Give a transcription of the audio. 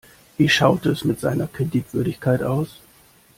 Wie schaut es mit seiner Kreditwürdigkeit aus?